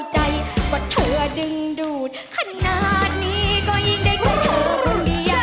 ใจว่าเธอดึงดูดขนาดนี้ก็ยิ่งได้ใกล้เธอคนดี